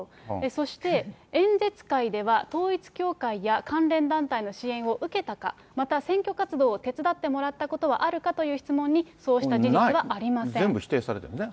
そして、演説会では統一教会や関連団体の支援を受けたか、また選挙活動を手伝ってもらったことはあるかという質問に、そう全部否定されてるんですね。